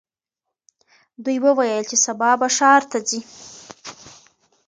دوی وویل چې سبا به ښار ته ځي.